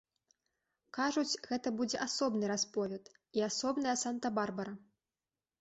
Кажуць, гэта будзе асобны расповед і асобная санта-барбара!